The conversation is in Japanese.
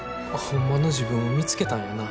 ホンマの自分を見つけたんやな。